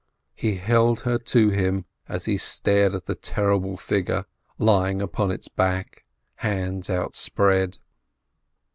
He held her to him as he stared at the terrible figure lying upon its back, hands outspread.